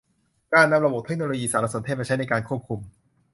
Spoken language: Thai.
การนำระบบเทคโนโลยีสารสนเทศมาใช้ในการควบคุม